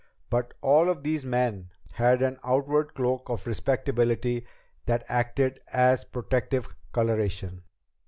But all of these men had an outward cloak of respectability that acted as protective coloration."